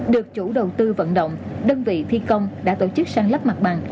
được chủ đầu tư vận động đơn vị thi công đã tổ chức sang lắp mặt bằng